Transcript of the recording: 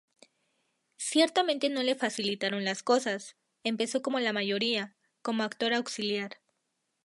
Ciertamente, no le facilitaron las cosas: empezó como la mayoría, como actor auxiliar.